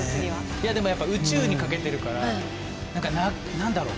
いやでもやっぱ宇宙にかけてるから何だろう。